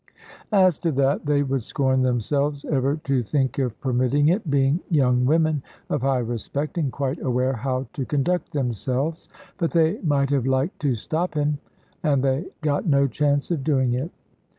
As to that, they would scorn themselves ever to think of permitting it, being young women of high respect, and quite aware how to conduct themselves. But they might have liked to stop him, and they got no chance of doing it.